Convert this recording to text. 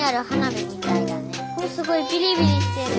すごいビリビリしてる。